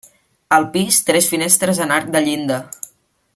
Al pis, tres finestres en arc de llinda.